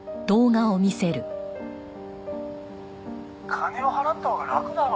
「金を払ったほうが楽だろ」